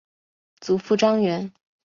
祖父张员。